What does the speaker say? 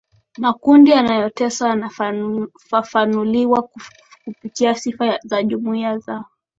makundi yanayoteswa yanafafanuliwa kupitia sifa za jumuiya zao